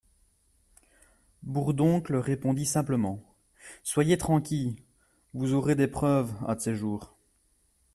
Bourdoncle répondit simplement : Soyez tranquille, vous aurez des preuves un de ces jours.